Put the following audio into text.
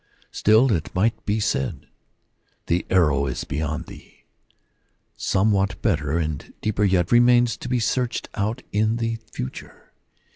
Still it might be said, " the arrow is beyond thee. Somewhat better and deeper yet remains to be searched out in the future.